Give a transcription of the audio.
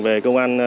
về công an